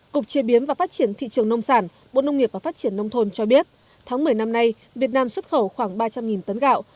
cục chế biến và phát triển thị trường nông sản bộ nông nghiệp và phát triển nông thôn cho biết tháng một mươi năm nay việt nam xuất khẩu khoảng ba trăm linh tấn gạo